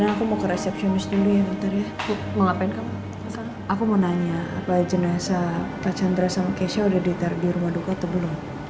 aku mau nanya apalagi jenazah pak chandra sama keisha udah ditarik di rumah duka atau belum